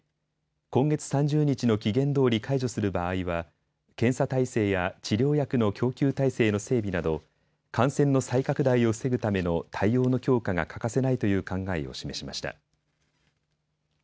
今月３０日の期限どおり解除する場合は検査体制や治療薬の供給体制の整備など感染の再拡大を防ぐための対応の強化が欠かせないという考えを示しました。